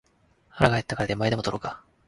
腹が減ったから出前でも取ろうか